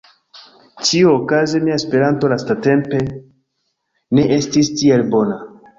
Ĉiuokaze mia Esperanto lastatempe ne estis tiel bona